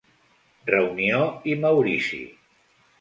Reunió i Maurici.